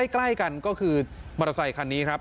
ใกล้กันก็คือมอเตอร์ไซคันนี้ครับ